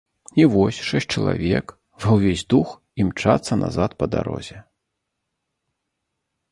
І вось шэсць чалавек ва ўвесь дух імчацца назад па дарозе.